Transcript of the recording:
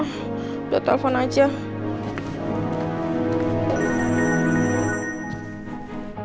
aku khawatir sama mbak catherine